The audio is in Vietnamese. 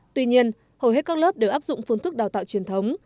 tuy nhiên hầu hết các lớp đều áp dụng phương thức đào tạo truyền thống